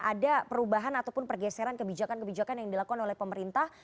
ada perubahan ataupun pergeseran kebijakan kebijakan yang dilakukan oleh pemerintah